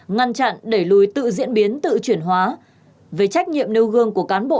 ngăn chặn đẩy lùi tự diễn biến tự chuyển hóa về trách nhiệm nêu gương của cán bộ